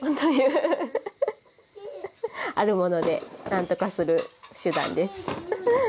あるものでなんとかする手段です。